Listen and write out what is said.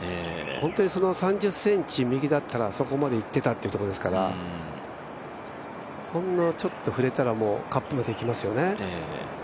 本当に３０ｃｍ右だったらそこまでいっていたというところですからほんのちょっと触れたらカップまで行きますよね。